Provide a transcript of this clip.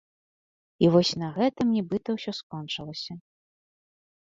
І вось на гэтым нібыта ўсё скончылася.